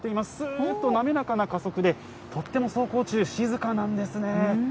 すーっと滑らかな加速で、とっても走行中、静かなんですね。